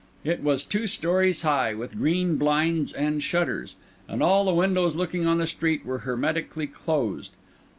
It was two storeys high, with green blinds and shutters; and all the windows looking on the street were hermetically closed.